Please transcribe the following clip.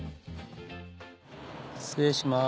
失礼します